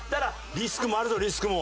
リスクもあるぞリスクも。